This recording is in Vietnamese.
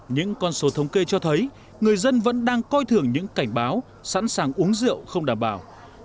những con số thống kê cho thấy người dân vẫn đang coi thường những cảnh báo sẵn sàng uống rượu không đảm bảo